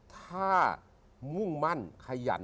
ถ้ามุ่งมั่นขยัน